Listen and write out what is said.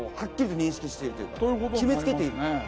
決め付けている。